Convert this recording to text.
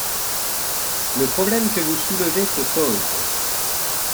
Le problème que vous soulevez se pose.